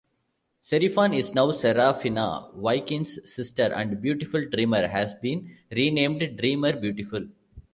Serifan is now Serafina, Vykin's sister, and Beautiful Dreamer has been renamed Dreamer Beautiful.